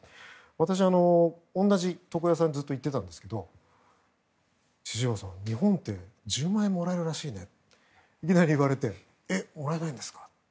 私、同じ床屋さんにずっと行ってたんですけど千々岩さん、日本って１０万円もらえるらしいねっていきなり言われてえっ、もらえないんですか。